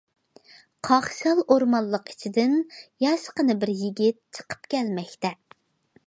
. قاقشال ئورمانلىق ئىچىدىن ياشقىنە بىر يىگىت چىقىپ كەلمەكتە.